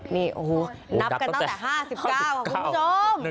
นี่นับกันตั้งแต่๕๙คุณผู้ชม